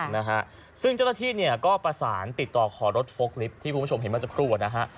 นะฮะซึ่งเจ้าหน้าที่เนี่ยก็ประสานติดต่อขอรถโฟล์กลิฟท์ที่คุณผู้ชมเห็นมาสักครู่นะฮะ